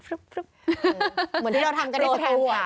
เหมือนที่เราทำกันในสตู